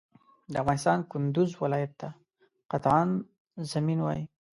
د افغانستان کندوز ولایت ته قطغن زمین وایی